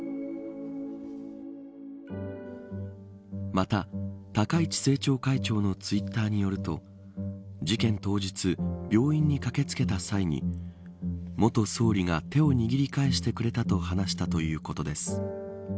また、高市政調会長のツイッターによると事件当日、病院に駆け付けた際に元総理が手を握り返してくれたと話したということです。